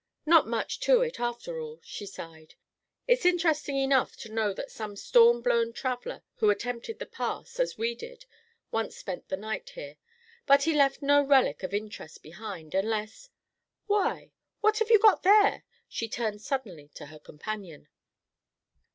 "Not much to it, after all," she sighed. "It's interesting enough to know that some storm blown traveler who attempted the pass, as we did, once spent the night here. But he left no relic of interest behind, unless—why—what have you there?" She turned suddenly to her companion.